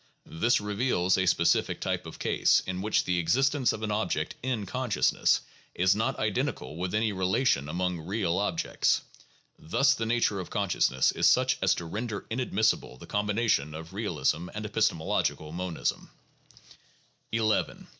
This reveals a specific type of case in which the existence of an object "in consciousness" is not identical with any relation among "real" objects. Thus the nature of consciousness is such as to render inadmissible the combination of realism and epis temological monism. (15; cf. 34, pp. 231 6.) 11.